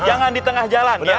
jangan di tengah jalan